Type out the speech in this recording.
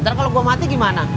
ntar kalau gue mati gimana